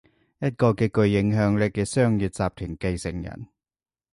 一個極具影響力嘅商業集團繼承人